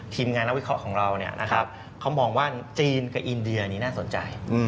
ทีมงานนักวิเคราะห์ของเราเขามองว่าจีนกับอินเดียนี้น่าสนใจ